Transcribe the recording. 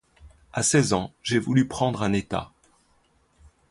À seize ans, j'ai voulu prendre un état.